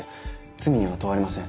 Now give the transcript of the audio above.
罪には問われません。